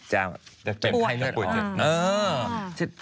จะเจ็บไข้เจ็บออก